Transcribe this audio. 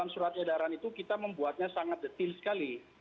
soal edaran itu kita membuatnya sangat detail sekali